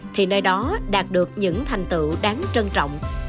thì nơi đó đạt được những thành tựu đáng trân trọng